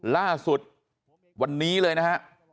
ล่าสุดวันนี้เลยนะฮะ